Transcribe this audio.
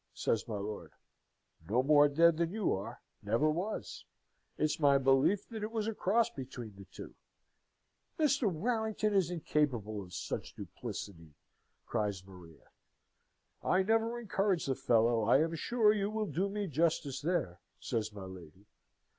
says my lord. "No more dead than you are. Never was. It's my belief that it was a cross between the two." "Mr. Warrington is incapable of such duplicity!" cries Maria. "I never encouraged the fellow, I am sure you will do me justice there," says my lady.